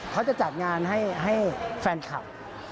เขาจะจัดงานให้แฟนคลับ